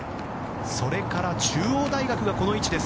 それから中央大学がこの位置。